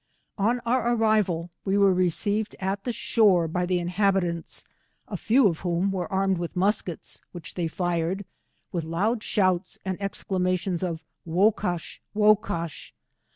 On our arrival we were received at the shore by the inhabitants, a few of whom were armed with muskets, which they fired, with loud shouts and exclamations of TFocash^ wocash.